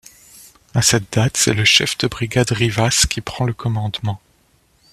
À cette date, c'est le chef de brigade Rivas qui prend le commandement.